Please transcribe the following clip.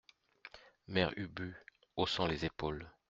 Mère Ubu , haussant les épaules.